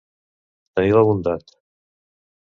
Tenir la bondat.